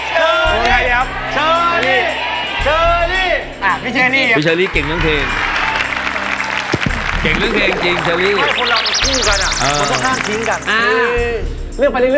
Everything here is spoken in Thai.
เชลลี่เชลลี่